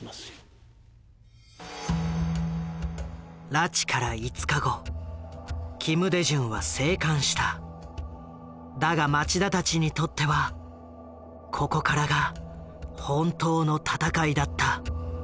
拉致から５日後だが町田たちにとってはここからが本当の闘いだった。